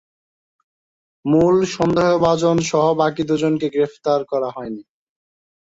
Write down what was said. মূল সন্দেহভাজন সহ বাকি দুজনকে গ্রেপ্তার করা হয়নি।